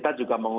kita juga mengusir